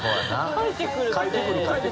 書いてくるって。